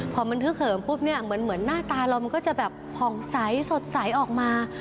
พอมันทึกเหิมปุ๊บเนี่ยเหมือนหน้าตาเรามันก็จะแบบผ่องใสสดใสออกมา